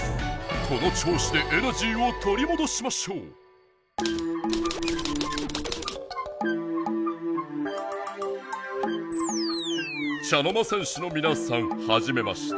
このちょうしでエナジーをとりもどしましょう茶の間戦士のみなさんはじめまして。